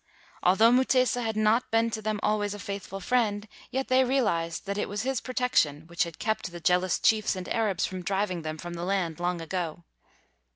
Al though Mutesa had not been to them always a faithful friend, yet they realized that it was his protection which had kept the jeal 197 WHITE MAN OF WORK ous chiefs and Arabs from driving them from the land long ago.